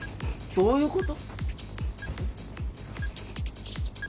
どういうこと？